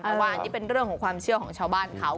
เพราะว่าอันนี้เป็นเรื่องของความเชื่อของชาวบ้านเขา